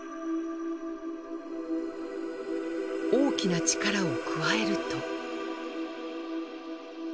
大きな力を加えると。